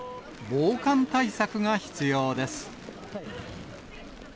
防寒対策が必要です。